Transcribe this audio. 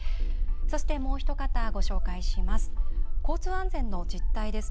そして、もうひと方ご紹介します。